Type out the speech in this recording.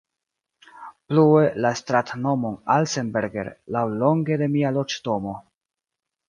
Plue, la stratnomon Alsenberger laŭlonge de mia loĝdomo.